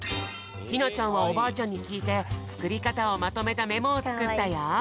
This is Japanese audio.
ひなちゃんはおばあちゃんにきいてつくりかたをまとめたメモをつくったよ。